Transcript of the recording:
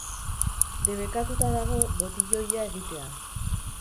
Debekatuta dago botiloia egitea.